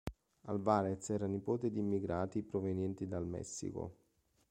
Álvarez era nipote di immigrati provenienti dal Messico.